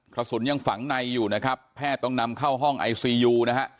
กระสุนยังฝังในอยู่นะครับแพทย์ต้องนำเข้าห้องไอซียูนะฮะ